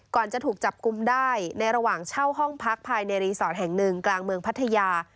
จะถูกจับกลุ่มได้ในระหว่างเช่าห้องพักภายในรีสอร์ทแห่งหนึ่งกลางเมืองพัทยา